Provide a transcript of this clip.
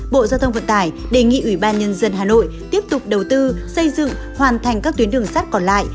bộ giao thông vận tải đề nghị ủy ban nhân dân hà nội tiếp tục đầu tư xây dựng hoàn thành các tuyến đường sắt còn lại